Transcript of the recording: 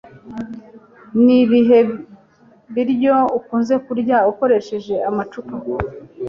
Ni ibihe biryo ukunze kurya ukoresheje amacupa?